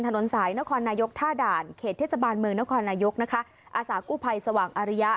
ถนนสายนครนายกท่าด่านเขตเทศบาลเมืองนครนายกนะคะอาสากู้ภัยสว่างอาริยะ